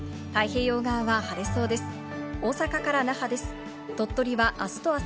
太平洋側は晴れそうです。